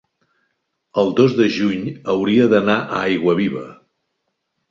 el dos de juny hauria d'anar a Aiguaviva.